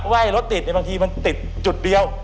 ว่ายรถติดบางทีมันติดจุดเดียว